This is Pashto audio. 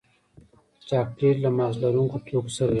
چاکلېټ له مغز لرونکو توکو سره راځي.